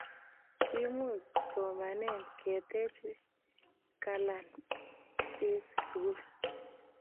kiimuch somanee kutech kalane en sukul